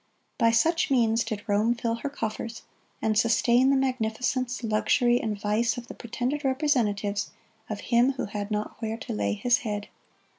By such means did Rome fill her coffers, and sustain the magnificence, luxury, and vice of the pretended representatives of Him who had not where to lay His head.